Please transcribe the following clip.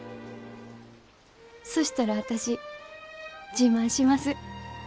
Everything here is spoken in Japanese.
そしたら私自慢します。